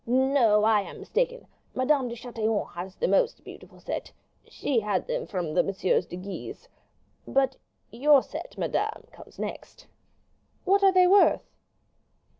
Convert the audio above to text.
No, I am mistaken; Madame de Chatillon has the most beautiful set; she had them from Messieurs de Guise; but your set, madame, comes next." "What are they worth?"